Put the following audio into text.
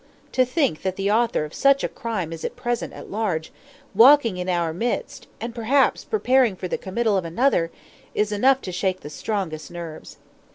To think that the author of such a crime is at present at large, walking in our midst, and perhaps preparing for the committal of another, is enough to shake the strongest nerves.